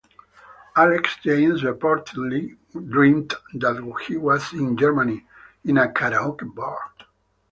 Alex James reportedly dreamt that he was in Germany in a karaoke bar.